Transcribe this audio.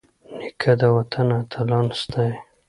نیکه د وطن اتلان ستايي.